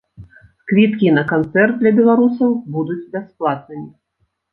Квіткі на канцэрт для беларусаў будуць бясплатнымі.